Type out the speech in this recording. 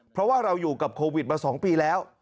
เพราะว่าเราอยู่กับโควิดมา๒ปีแล้ว